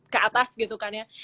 ke atas gitu kan ya